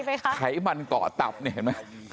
อันนี้ต้องพาไปหาหมอนะ